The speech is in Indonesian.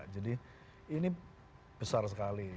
jadi ini besar sekali